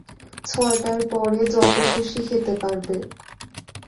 ছয়টার পরে যত খুশি খেতে পারবে।